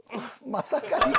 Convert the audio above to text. まさかり。